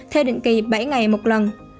theo định kỳ bảy ngày một lần